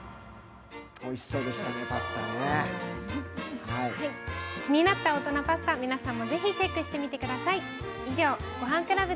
おいしそうでしたね、パスタ気になった大人パスタ、皆さんもぜひチェックしてみてください。